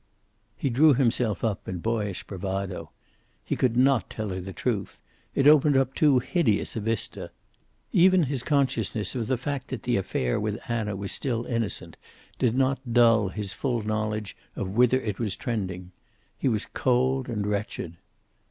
He drew himself up in boyish bravado. He could not tell her the truth. It opened up too hideous a vista. Even his consciousness of the fact that the affair with Anna was still innocent did not dull his full knowledge of whither it was trending. He was cold and wretched.